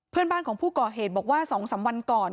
เพื่อนบ้านของผู้ก่อเหตุบอกว่า๒๓วันก่อน